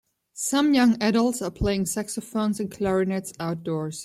Some young adults are playing saxophones and clarinets outdoors.